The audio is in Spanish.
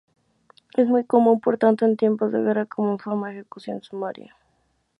Es muy común por tanto en tiempos de guerra, como forma de ejecución sumaria.